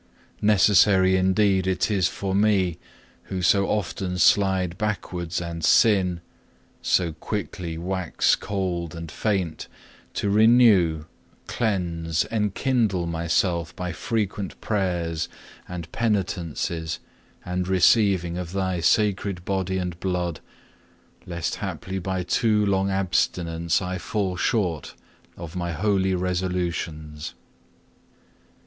Necessary indeed it is for me, who so often slide backwards and sin, so quickly wax cold and faint, to renew, cleanse, enkindle myself by frequent prayers and penitences and receiving of Thy sacred Body and Blood lest haply by too long abstinence, I fall short of my holy resolutions.